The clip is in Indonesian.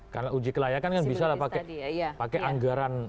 karena uji kelayakan kan bisa pakai anggaran